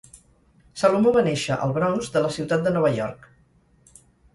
Salomó va néixer al Bronx de la ciutat de Nova York.